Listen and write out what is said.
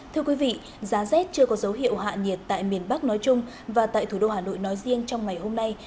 thưa quý vị giá rét chưa có dấu hiệu hạ nhiệt tại miền bắc nói chung và tại thủ đô hà nội nói riêng trong ngày hôm nay